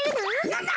なんだ？